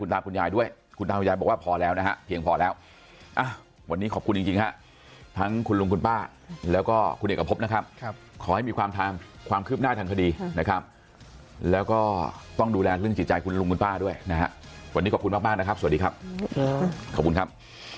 ทั้งคุณลุงคุณป้าแล้วก็คุณเอกกระพบนะครับขอให้มีความทางความคืบหน้าทางคดีนะครับแล้วก็ต้องดูแลเรื่องจิตใจคุณลุงคุณป้าด้วยนะครับวันนี้ขอบคุณมากนะครับสวัสดีครับขอบคุณครับ